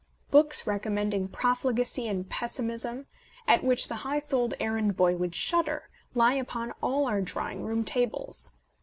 Books recommending profligacy and pessi mism, at which the high souled errand boy would shudder, lie upon all our drawing room tables.